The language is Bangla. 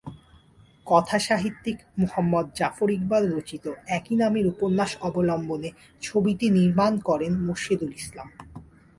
কথাসাহিত্যিক মুহম্মদ জাফর ইকবাল রচিত একই নামের উপন্যাস অবলম্বনে ছবিটি নির্মাণ করেন মোরশেদুল ইসলাম।